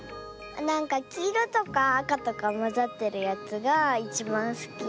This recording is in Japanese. なんかきいろとかあかとかまざってるやつがいちばんすき。